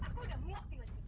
aku udah milk tinggal di sini